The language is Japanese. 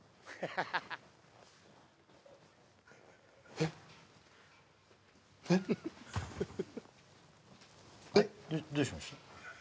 えっえっえっどうしました？